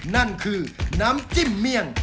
นั่นคือน้ำจิ้มเมี่ยง